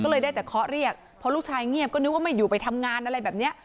ก็เลยได้แต่เคาะเรียกพอลูกชายเงียบก็นึกว่าไม่อยู่ไปทำงานอะไรแบบนี้